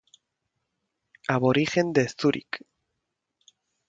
Aborigen de Zúrich.